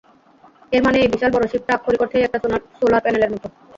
এর মানে এই বিশাল বড় শিপটা আক্ষরিক অর্থেই একটা সোলার প্যানেলের মতো।